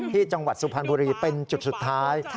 จังหวัดสุพรรณบุรีเป็นจุดสุดท้าย